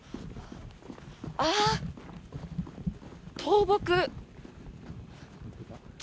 ああ、倒木。